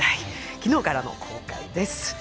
昨日からの公開です。